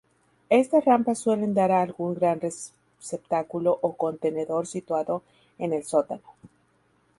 Estas rampas suelen dar a algún gran receptáculo o contenedor situado en el sótano.